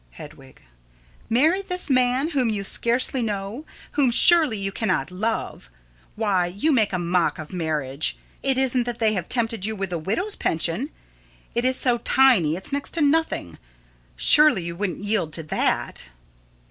Hedwig: Marry this man, whom you scarcely know, whom surely you cannot love! Why, you make a mock of marriage! It isn't that they have tempted you with the widow's pension? It is so tiny; it's next to nothing. Surely you wouldn't yield to that?